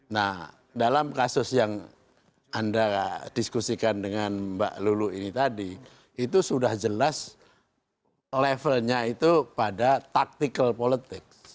nah dalam kasus yang anda diskusikan dengan mbak lulu ini tadi itu sudah jelas levelnya itu pada taktikal politics